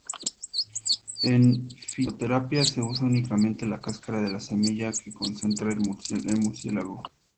En fitoterapia, se usa únicamente la cáscara de la semilla que concentra el mucílago.